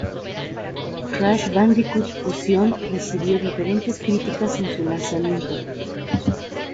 Crash Bandicoot Fusión recibió diferentes críticas en su lanzamiento.